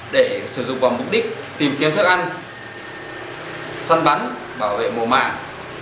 để sử dụng vào mục đích tìm kiếm thức ăn săn bắn bảo vệ mùa mạng